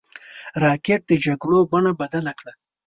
راکټ د جګړو بڼه بدله کړه